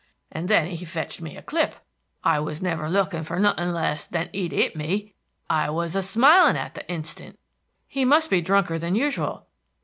and then he fetched me a clip. I was never looking for nothing less than that he'd hit me. I was a smiling at the hinstant." "He must be drunker than usual."